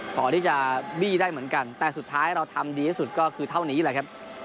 พอที่จะบี้ได้เหมือนกันแต่สุดท้ายเราทำดีที่สุดก็คือเท่านี้แหละครับ